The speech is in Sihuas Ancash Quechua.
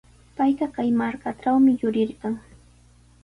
Payqa kay markatrawmi yurirqan.